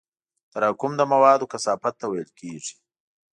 تراکم د موادو کثافت ته ویل کېږي.